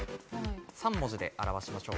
３文字で表しましょう。